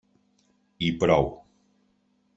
I prou.